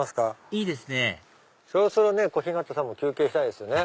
いいですねそろそろね小日向さんも休憩したいですよね。